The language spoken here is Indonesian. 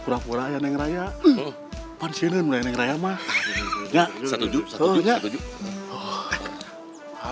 raya ya teteh dengan ngereceknya